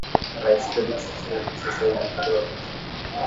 Rais Felix Tchisekedi alitia saini mkataba wa kujiunga,